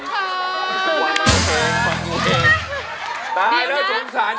ตายแล้วสงสาร